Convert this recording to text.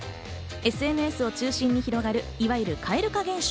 ＳＮＳを中心に広がる、いわゆる蛙化現象。